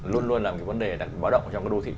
luôn luôn là vấn đề báo động trong đô thị